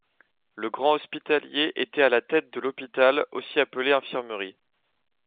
Le Grand Hospitalier était à la tête de l’Hôpital aussi appelé Infirmerie.